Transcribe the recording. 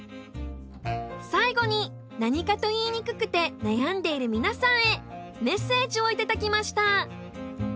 最後に何かと言いにくくて悩んでいる皆さんへメッセージを頂きました。